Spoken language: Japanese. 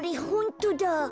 ホントだ。